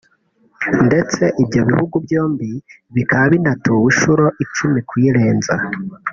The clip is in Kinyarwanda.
ndetse ibyo bihugu byombi bikaba binatuwe inshuro icumi kuyirenza